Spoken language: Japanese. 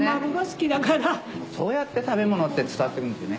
そうやって食べ物って伝わって行くんですよね。